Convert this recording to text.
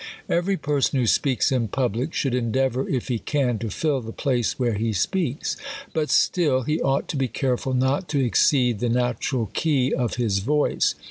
Every person who speaks in public, should endeavour, if he can, to fill the place where he speaks. But still he ought to be careful not to exceed the natui*a4 key of his voice.